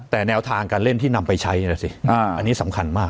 แต่แนวทางการเล่นที่นำไปใช้นะสิอันนี้สำคัญมาก